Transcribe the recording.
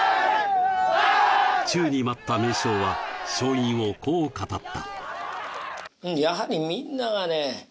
宙に舞った名将は勝因をこう語った。